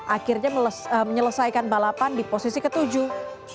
akhirnya menyelesaikan balapan di posisi ke tujuh